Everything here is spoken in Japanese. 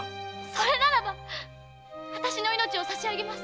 それならば！あたしの命を差し上げます！